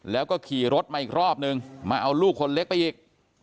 แล้วก็ขี่รถมาอีกรอบนึงมาเอาลูกคนเล็กไปอีก